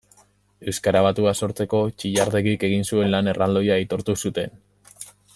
Euskara batua sortzeko Txillardegik egin zuen lan erraldoia aitortu zuten.